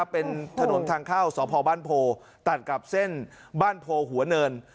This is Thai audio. เป็นถนนทางเข้าสพบ้านโพตัดกับเส้นบ้านโพหัวเนิน